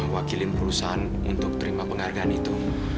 wakilin perusahaan untuk terima penghargaan itu